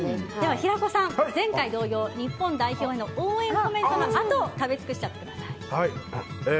平子さん、前回同様日本代表への応援コメントのあと食べ尽くしちゃってください。